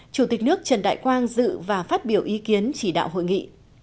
chủ tịch nước trần đại quang dự và phát biểu ý kiến chỉ đạo hội nghị